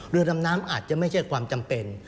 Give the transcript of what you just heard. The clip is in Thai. เรือดำน้ำอาจจะไม่ใช่ความจำเป็น